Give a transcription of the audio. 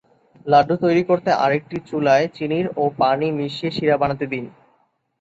লাড্ডু তৈরি করতে- আরেকটি চুলায় চিনির ও পানি মিশিয়ে শিরা বানাতে দিন।